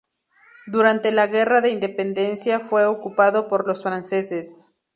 Durante la Guerra de Independencia fue ocupado por los franceses.